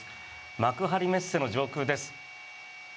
幕張メッセの上空です。